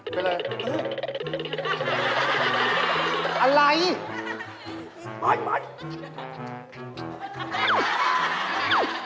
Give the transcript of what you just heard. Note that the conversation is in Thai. ไปเลยเออพี่ปัญหาอะไร